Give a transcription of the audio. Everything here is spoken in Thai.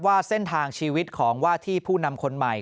ว่าเส้นทางชีวิตของว่าที่ผู้นำคนใหม่